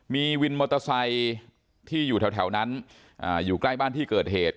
มีวินมอเตอร์ไซค์ที่อยู่แถวนั้นอยู่ใกล้บ้านที่เกิดเหตุ